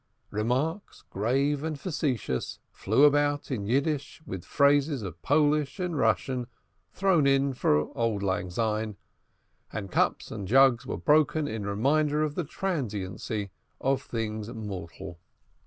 Remarks, grave and facetious, flew about in Yiddish, with phrases of Polish and Russian thrown in for auld lang syne, and cups and jugs were broken in reminder of the transiency of things mortal.